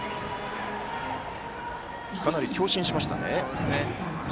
かなり強振しましたね。